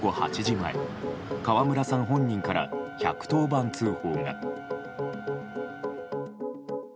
前川村さん本人から１１０番通報が。